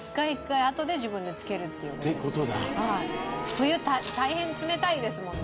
冬大変冷たいですもんね。